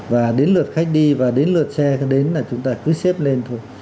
và đến lượt khách đi và đến lượt xe đến là chúng ta cứ xếp lên thôi